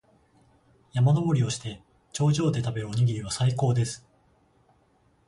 山登りをして、頂上で食べるおにぎりは最高です。